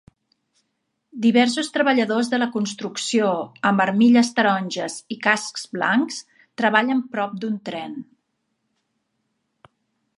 Diversos treballadors de la construcció amb armilles taronges i cascs blancs treballen prop d'un tren.